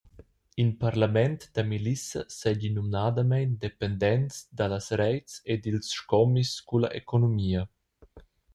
In parlament da milissa seigi numnadamein dependents dallas reits e dils scomis culla economia.